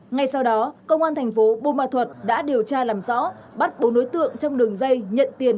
ngay sau đó công an tp bùn ma thuật đã điều tra làm rõ bắt bốn đối tượng trong đường dây nhận tiền